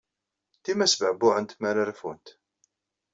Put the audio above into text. Dima sbeɛbuɛent mi ara rfunt.